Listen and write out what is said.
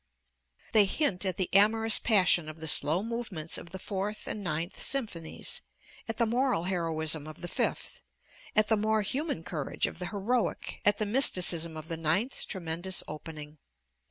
They hint at the amorous passion of the slow movements of the Fourth and Ninth Symphonies, at the moral heroism of the Fifth, at the more human courage of the 'Heroic,' at the mysticism of the Ninth's tremendous opening.